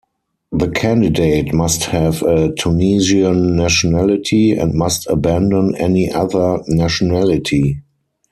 The candidate must have a Tunisian nationality, and must abandon any other nationality.